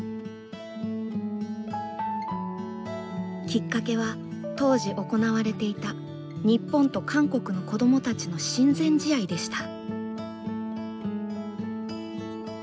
きっかけは当時行われていた日本と韓国の子どもたちの親善試合でした。